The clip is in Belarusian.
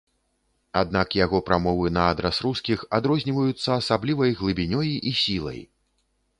Аднак яго прамовы на адрас рускіх адрозніваюцца асаблівай глыбінёй і сілай.